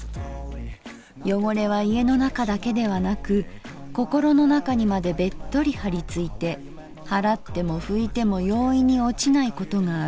汚れは家の中だけではなく心の中にまでベットリ貼りついて払っても拭いても容易に落ちないことがある。